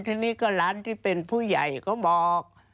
ทีนี้ก็หลานที่เป็นผู้ใหญ่ก็บอก